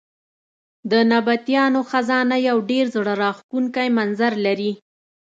د نبطیانو خزانه یو ډېر زړه راښکونکی منظر لري.